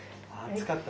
暑かった？